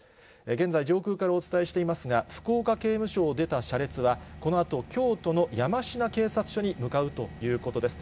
現在、上空からお伝えしていますが、福岡刑務所を出た車列は、このあと京都の山科警察署に向かうということです。